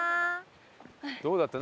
どうだった？